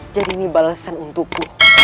jadi ini balasan untukku